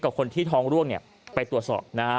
กับคนที่ท้องร่วงไปตรวจสอบ